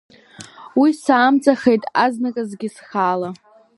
Уи саамҵахеит азныказгьы схала.